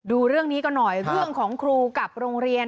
ดูเรื่องนี้กันหน่อยเรื่องของครูกับโรงเรียน